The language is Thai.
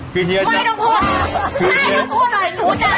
คือเฮียจะไม่ต้องพูดได้ต้องพูดหน่อย